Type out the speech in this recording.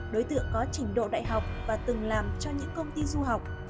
đối tượng có trình độ đại học và từng làm cho những công ty du học